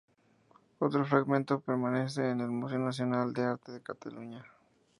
Otro fragmento permanece en el Museo Nacional de Arte de Cataluña.